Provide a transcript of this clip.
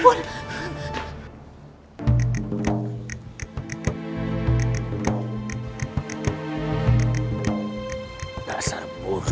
aku tidak ingin sembunyi